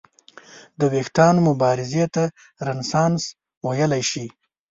د ویښتیا مبارزې ته رنسانس ویلی شي.